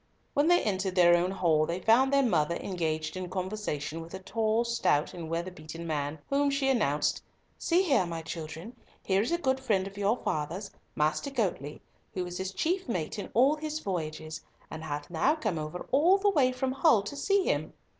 When they entered their own hall they found their mother engaged in conversation with a tall, stout, and weather beaten man, whom she announced—"See here, my children, here is a good friend of your father's, Master Goatley, who was his chief mate in all his voyages, and hath now come over all the way from Hull to see him!